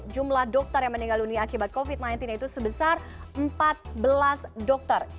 jumlah dokter yang meninggal dunia akibat covid sembilan belas itu sebesar empat belas dokter